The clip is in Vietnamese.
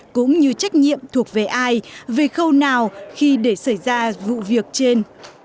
cũng như trách nhiệm thuộc về ai về khâu nào khi để xảy ra vụ việc trên